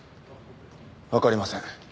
わかりません。